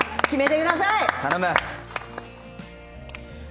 頼む！